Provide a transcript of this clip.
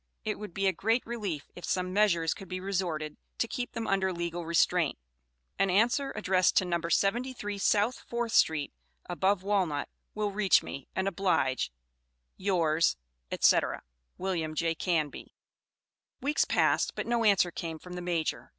It would be a great relief if some measures could be resorted to to keep them under legal restraint. An answer addressed to No. 73 South 4th Street, above Walnut, will reach me, and oblige, Yours, &c. WM. J. CANBY. Weeks passed, but no answer came from the Major.